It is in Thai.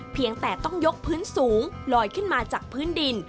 เพียงแต่ต้องยกพื้นสูงลอยขึ้นมาจากพื้นดิน